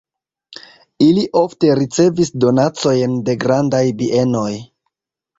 Ili ofte ricevis donacojn de grandaj bienoj.